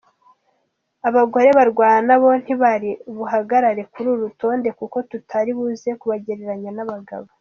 Abagore barwana bo ntibari bugaragare kuri uru rutonde kuko tutari buze kubagereranya n’abagabo.